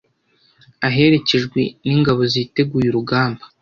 aherekejwe n’ ingabo ziteguye urugamba.